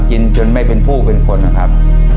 จนไม่เป็นผู้เป็นคนนะครับ